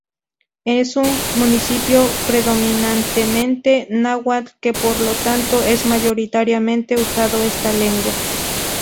Es un municipio predominantemente náhuatl que por lo tanto es mayoritariamente usado esta lengua.